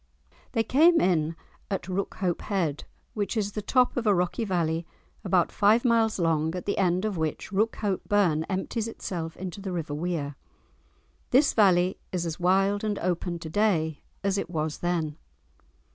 They came in at Rookhope Head, which is the top of a rocky valley, about five miles long, at the end of which Rookhope Burn empties itself into the river Wear. This valley is as wild and open to day as it was then.